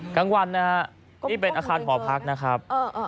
กลางวันนะฮะนี่เป็นอาคารหอพักนะครับ